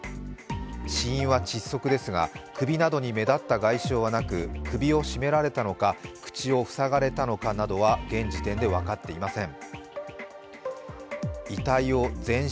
死因は窒息ですが、首などに目立った外傷はなく、首を絞められたのか、口を塞がれたのかなどは現時点で分かっていません。